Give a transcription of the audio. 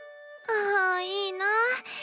ああいいなぁ。